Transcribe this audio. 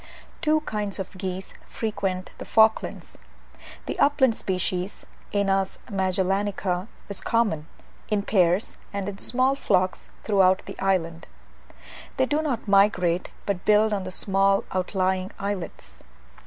Two kinds of geese frequent the Falklands. The upland species (Anas Magellanica) is common, in pairs and in small flocks, throughout the island. They do not migrate, but build on the small outlying islets.